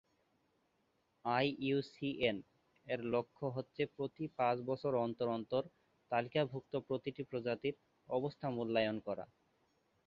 আইইউসিএন-এর লক্ষ্য হচ্ছে প্রতি পাঁচ বছর অন্তর অন্তর তালিকাভুক্ত প্রতিটি প্রজাতির অবস্থা মূল্যায়ন করা।